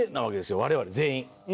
我々全員。